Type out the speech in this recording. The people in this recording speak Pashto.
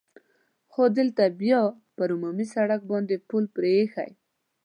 خو دلته یې بیا پر عمومي سړک باندې پل پرې اېښی.